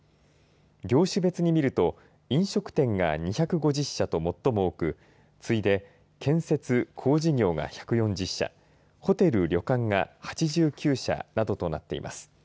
業種別に見ると飲食店が２５０社と最も多く次いで建設・工事業が１４０社ホテル・旅館が８９社などとなっています。